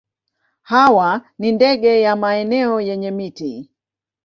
Hawa ni ndege wa maeneo yenye miti.